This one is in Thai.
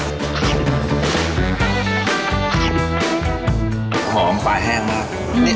อีกเลยปลาแห้งมาก